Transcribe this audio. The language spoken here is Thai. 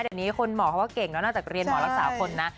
เดี๋ยวนี้คนหมอเขาก็เก่งแล้วนอกจากเรียนหมอรักษาคนนะ